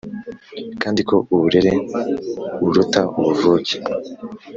kandi ko uburereburuta ubuvuke.